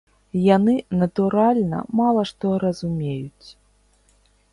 Яны, натуральна, мала што разумеюць.